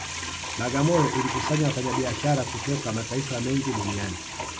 Bagamoyo ilikusanya wafanyabiashara kutoka mataifa mengi duniani